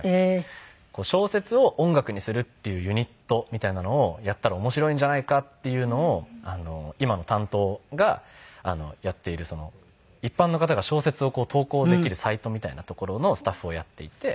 小説を音楽にするっていうユニットみたいなのをやったら面白いんじゃないかっていうのを今の担当がやっている一般の方が小説を投稿できるサイトみたいな所のスタッフをやっていて。